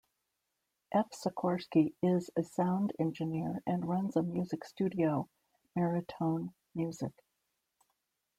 F. Sikorski is a sound engineer and runs a music studio, Maratone Music.